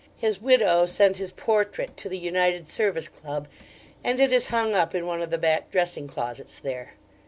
His widow sent his portrait to the United Service Club, and it is hung up in one of the back dressing closets there.